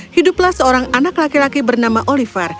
hiduplah seorang anak laki laki bernama oliver